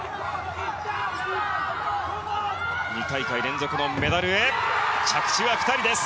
２大会連続のメダルへ着地はピタリです。